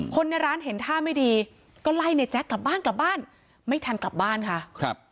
คนในร้านเห็นท่าไม่ดีก็ไล่ในแจ๊คกลับบ้านกลับบ้านไม่ทันกลับบ้านค่ะครับ